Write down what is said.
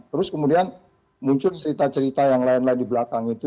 terus kemudian muncul cerita cerita yang lain lain di belakang itu